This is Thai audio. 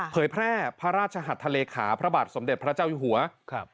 เผยแพร่พระราชหัสทะเลขาพระบาทสมเด็จพระเจ้าอยู่หัวครับ